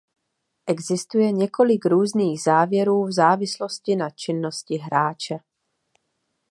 Existuje několik různých závěrů v závislosti na činnosti hráče.